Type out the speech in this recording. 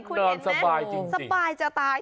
คุณเห็นไหมสบายจะตาย